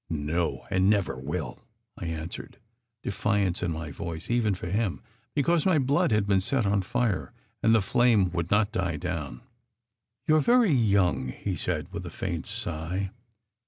"No, and never will!" I answered, defiance in my voice even for him, because my blood had been set on fire and the flame would not die down. "You re very young!" he said, with a faint sigh.